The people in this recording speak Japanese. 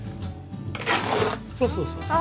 そうそうそうそう。